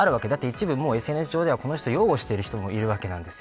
一部ＳＮＳ上ではこの人を擁護している人もいます。